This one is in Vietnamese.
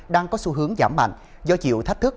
đang có xu hướng giảm mạnh do chịu thách thức